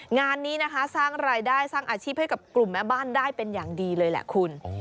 งานนี้นะคะสร้างรายได้สร้างอาชีพให้กับกลุ่มแม่บ้านได้เป็นอย่างดีเลยแหละคุณ